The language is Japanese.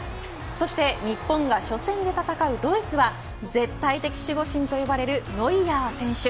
そして日本が初戦で戦うドイツは絶対的守護神と呼ばれるノイアー選手。